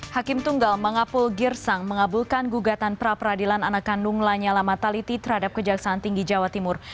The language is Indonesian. hakim tunggal mengapul girsang mengabulkan gugatan praperadilan anak kandung lanya lamataliti terhadap kejaksaan tinggi jawa timur